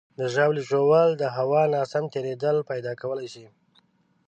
د ژاولې ژوول د هوا ناسم تېرېدل پیدا کولی شي.